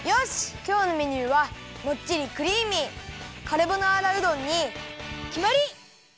きょうのメニューはもっちりクリーミーカルボナーラうどんにきまり！